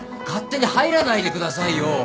勝手に入らないでくださいよ！